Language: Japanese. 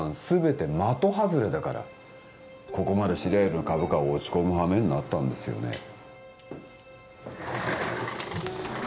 すべて的外れだからここまで白百合の株価は落ち込む羽目になったんですよね